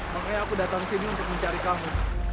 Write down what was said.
makanya aku datang sini untuk mencari kamu